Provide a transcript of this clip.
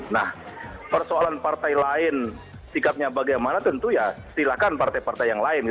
nah persoalan partai lain sikapnya bagaimana tentu ya silakan partai partai yang lain